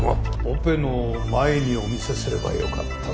オペの前にお見せすればよかったんですが。